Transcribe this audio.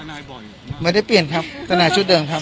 เปลี่ยนทนายบ่อยมากไม่ได้เปลี่ยนครับทนายชุดเดิมครับ